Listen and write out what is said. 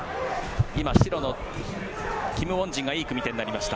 今、白のキム・ウォンジンがいい組み手になりました。